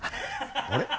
あれ？